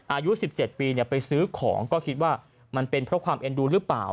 อายุ๑๗ปีไปซื้อของก็คิดว่ามันเป็นเพราะความเอ็นดูหรือเปล่า